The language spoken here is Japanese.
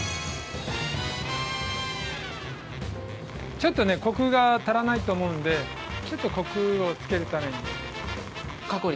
ちょっとねコクが足らないと思うんでちょっとコクをつけれたらいい。